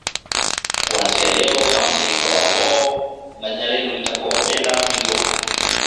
Kuanzia leo hamtaitwa Wanghoo na jina lenu litakuwa Wabena migoha